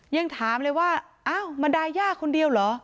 ยังถามเลยว่าอ้าวมันดาย่าคนเดียวเหรอ